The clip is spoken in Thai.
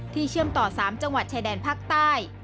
เชื่อมต่อ๓จังหวัดชายแดนภาคใต้